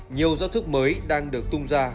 nhiều giao thức mới đang được tung ra